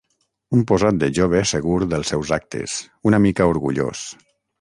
Un posat de jove segur dels seus actes, una mica orgullós.